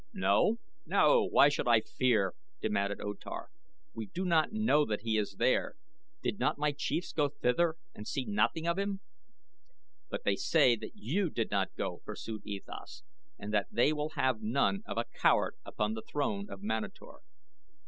"No, no; why should I fear?" demanded O Tar. "We do not know that he is there. Did not my chiefs go thither and see nothing of him?" "But they say that you did not go," pursued E Thas, "and that they will have none of a coward upon the throne of Manator."